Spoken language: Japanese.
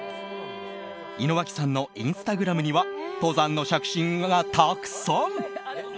井之脇さんのインスタグラムには登山の写真がたくさん。